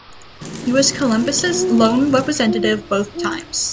He was Columbus' lone representative both times.